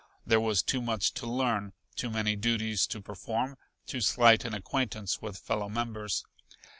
There was too much to learn, too many duties to perform, too slight an acquaintance with fellow members.